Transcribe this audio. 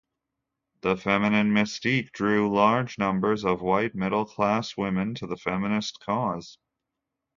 The Feminine Mystique drew large numbers of white, middle-class women to the feminist cause.